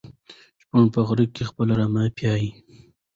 شپون په غره کې خپلې رمې پيايي.